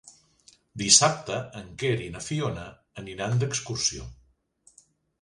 Dissabte en Quer i na Fiona aniran d'excursió.